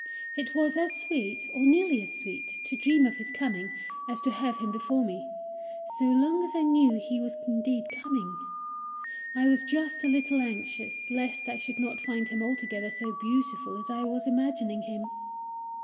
It was as sweet, or nearly as sweet, to dream of his coming, as to have him before me so long as I knew he was indeed coming. I was just a little anxious lest I should not find him altogether so beautiful as I was imagining him.